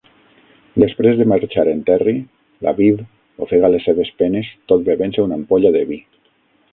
Després de marxar en Terry, la Viv ofega les seves penes tot bevent-se una ampolla de vi.